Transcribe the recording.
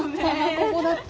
こごだった。